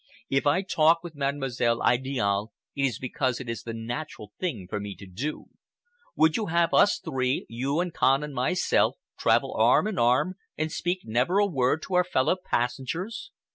If I talk with Mademoiselle Idiale, it is because it is the natural thing for me to do. Would you have us three—you and Kahn and myself—travel arm in arm and speak never a word to our fellow passengers?